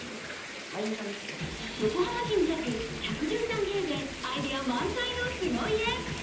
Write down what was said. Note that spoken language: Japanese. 横浜市に立つ１１３平米、アイデア満載の凄家。